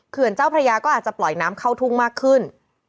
เจ้าพระยาก็อาจจะปล่อยน้ำเข้าทุ่งมากขึ้น